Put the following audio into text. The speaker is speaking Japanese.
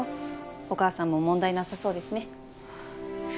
お母さんも問題なさそうですね